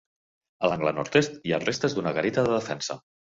A l'angle nord-est hi ha restes d'una garita de defensa.